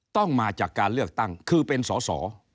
ต้องมาจากการเลือกตั้งคือเป็นสอสอ